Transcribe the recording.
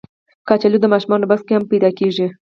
کچالو د ماشومانو بکس کې هم پیدا کېږي